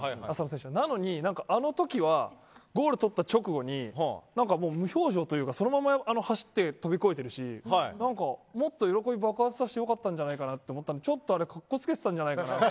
なのに、あのときはゴール取った直後に無表情というかそのまま走って飛び越えてるしなんかもっと喜び爆発させてもよかったのにと思ったのにちょっと格好つけてたんじゃないかなと。